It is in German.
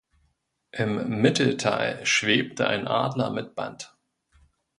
Im Mittelteil schwebte ein Adler mit Band.